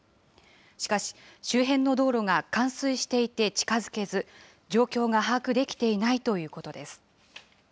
しかし、周辺の道路が冠水していて近づけず、状況が把握できていないということです。